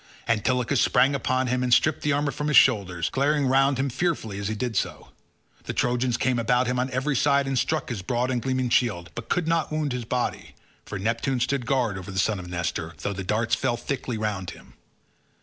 Antilochus sprang upon him and stripped the armour from his shoulders, glaring round him fearfully as he did so. The Trojans came about him on every side and struck his broad and gleaming shield, but could not wound his body, for Neptune stood guard over the son of Nestor, though the darts fell thickly round him.